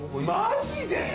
マジで？